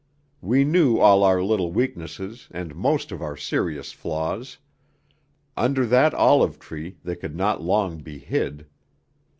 We knew all our little weaknesses and most of our serious flaws; under that olive tree they could not long be hid.